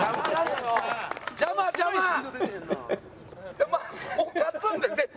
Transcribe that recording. やっぱ勝つんで絶対。